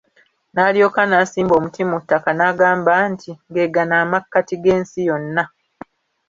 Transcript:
Nalyoka nasimba omuti mu ttaka n'agamba nti, gegano amakkati g'ensi yonna.